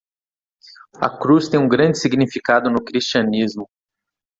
A cruz tem um grande significado no cristianismo.